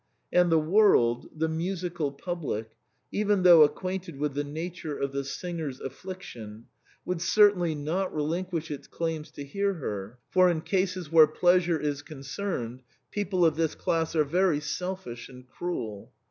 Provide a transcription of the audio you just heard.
And the world, the musical public, even though acquainted with the nature of the singer's affliction, would certainly not relinquish its claims to hear her, for in cases where pleasure is concerned people of this class are very self ish and cruel.